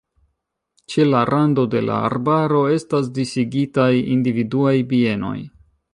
Ĉe la rando de la arbaro estas disigitaj individuaj bienoj.